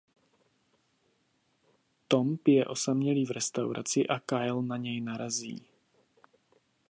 Tom pije osamělý v restauraci a Kyle na něj narazí.